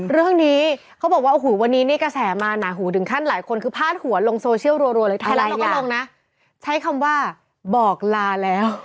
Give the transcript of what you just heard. เรื่องนี้เขาบอกว่าโอ้โหวันนี้นี่กระแสมาหนาหูถึงขั้นหลายคนคือพาดหัวลงโซเชียลรัวเลยไทยรัฐเราก็ลงนะใช้คำว่าบอกลาแล้ว